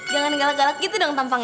jangan galak galak gitu dong tampaknya